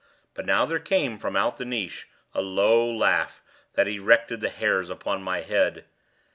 But now there came from out the niche a low laugh that erected the hairs upon my head.